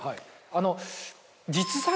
あの。